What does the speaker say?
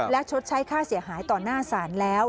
และชดใช้ค่าเสียหายต่อหน้าศาลแล้ว